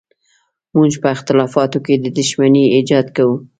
موږ په اختلافاتو کې د دښمنۍ ایجاد کوو.